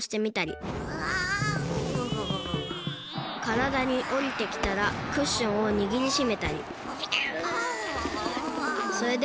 からだにおりてきたらクッションをにぎりしめたりぎゅう。